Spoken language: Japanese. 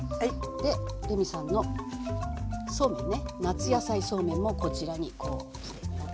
でレミさんのそうめんね「夏野菜そうめん」もこちらに載ってあります。